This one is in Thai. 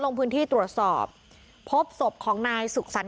ลงพื้นที่ตรวจสอบพบศพของนายสุขสรรค